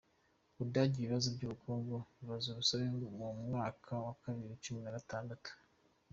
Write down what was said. U Budage Ibibazo by’ubukungu bizaba urusobe mu mwaka wa bibiri nacumi nagatatu